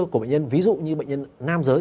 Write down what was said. của bệnh nhân ví dụ như bệnh nhân nam giới